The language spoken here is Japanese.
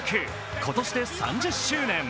今年で３０周年。